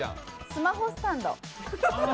スマホスタンド。